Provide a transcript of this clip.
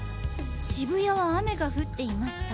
「渋谷は雨が降っていました。